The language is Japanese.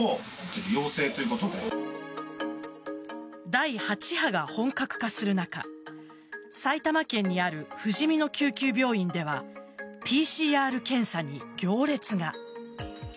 第８波が本格化する中埼玉県にあるふじみの救急病院ではＰＣＲ検査に行列が。